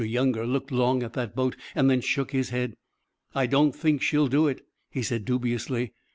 Younger looked long at the boat and then shook his head. "I don't think she'll do it," he said dubiously.